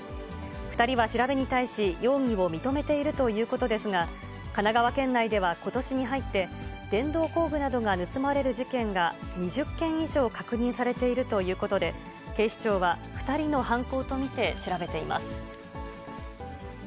２人は調べに対し、容疑を認めているということですが、神奈川県内ではことしに入って、電動工具などが盗まれる事件が２０件以上確認されているということで、警視庁は２人の犯行と見て、調べています。